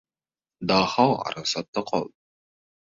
Daho arosatda qoldi.